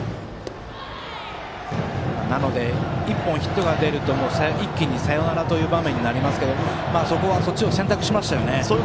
なので、１本ヒットが出ると一気にサヨナラという場面になりますけれどもそっちを選択しましたね。